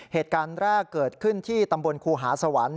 เหตุการณ์แรกเกิดขึ้นที่ตำบลครูหาสวรรค์